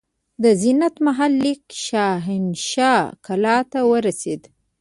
د زینت محل لیک شاهنشاه کلا ته ورسېد.